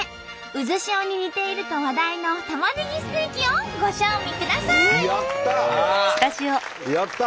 渦潮に似ていると話題のたまねぎステーキをご賞味ください！